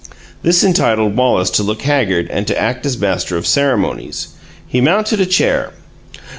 This entitled Wallace to look haggard and to act as master of ceremonies. He mounted a chair.